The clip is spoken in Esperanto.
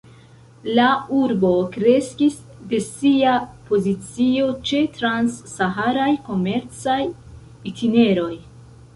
La urbo kreskis de sia pozicio ĉe trans-saharaj komercaj itineroj.